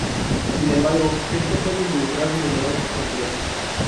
Sin embargo, esto puede involucrar números complejos.